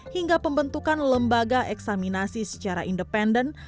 hingga pembentukan lembaga eksaminasi secara independen